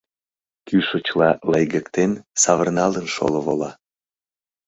Кӱшычла, лыйгыктен, савырналын, шоло вола.